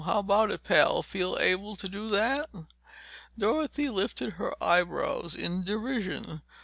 How about it, pal? Feel able to do that?" Dorothy lifted her eyebrows in derision.